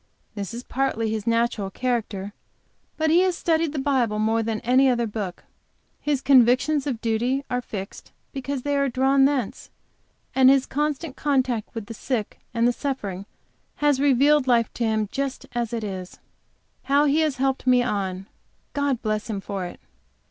This is partly his natural character; but he has studied the Bible more than any other book, his convictions of duty are fixed because they are drawn thence, and his constant contact with the sick and the suffering has revealed life to him just as it is. How he has helped me on! God bless him for it!